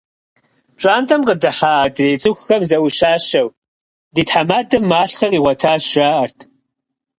ПщӀантӀэм къыдыхьа адрей цӀыхухэм зэӀущащэу: «Ди тхьэмадэм малъхъэ къигъуэтащ», – жаӀэрт.